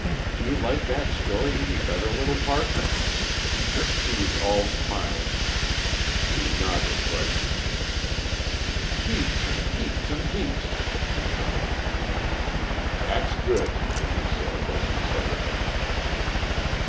Do you like that story any better, little partner?" She was all smiles now. She nodded, brightly. "Heaps, and heaps, and heaps!" she cried. "That's good," he said, as he set her down.